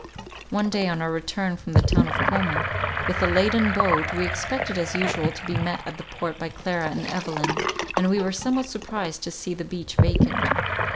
One day, on our return from the town of Como, with a laden boat, we expected as usual to be met at the port by Clara and Evelyn, and we were somewhat surprised to see the beach vacant.